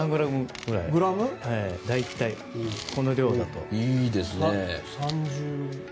大体この量だと。